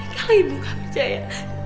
kalau ibu gak percaya